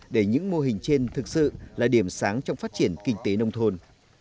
để những mô hình trên thực sự là điểm sáng trong phát triển kinh tế nông thôn